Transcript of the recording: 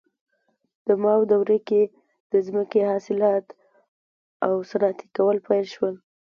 د ماو دورې کې ځمکې اصلاحات او صنعتي کول پیل شول.